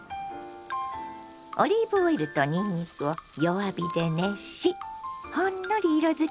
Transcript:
オリーブオイルとにんにくを弱火で熱しほんのり色づき